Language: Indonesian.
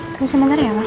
tunggu sebentar ya pak